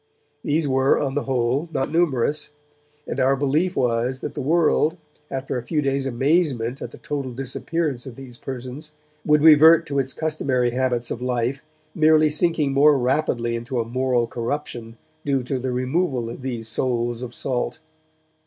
These were, on the whole, not numerous, and our belief was that the world, after a few days' amazement at the total disappearance of these persons, would revert to its customary habits of life, merely sinking more rapidly into a moral corruption due to the removal of these souls of salt.